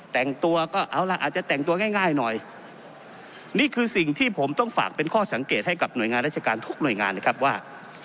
แต่งตัวก็เอาล่ะอาจจะแต่งตัวง่ายหน่อยนี่คือสิ่งที่ผมต้องฝากเป็นข้อสังเกตให้กับหน่วยงานราชการทุกหน่วยงานนะครับว่า